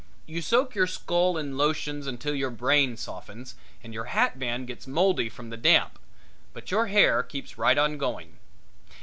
You soak your skull in lotions until your brain softens and your hat band gets moldy from the damp, but your hair keeps right on going.